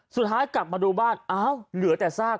สุดท้ายกลับมาดูบ้านอ้าวเหลือแต่ซาก